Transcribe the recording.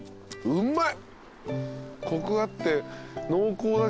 うまい。